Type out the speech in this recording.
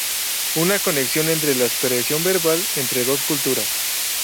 Una conexión entre la expresión verbal entre dos culturas.